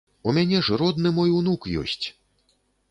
У мяне ж родны мой унук ёсць!